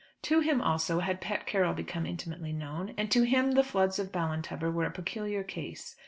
To him also had Pat Carroll become intimately known, and to him the floods of Ballintubber were a peculiar case.